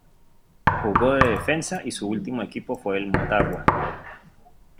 Jugó de defensa y su último equipo fue el Motagua.